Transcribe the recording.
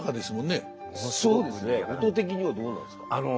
音的にはどうなんですか。